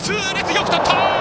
よくとった！